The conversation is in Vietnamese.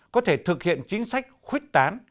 có thể thực hiện chính sách khuyết tán